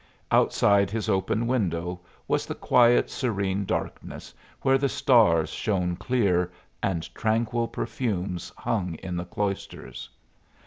Outside his open window was the quiet, serene darkness, where the stars shone clear, and tranquil perfumes hung in the cloisters.